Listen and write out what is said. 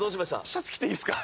シャツ着ていいですか？